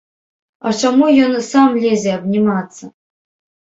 А чаму ён сам лезе абнімацца?!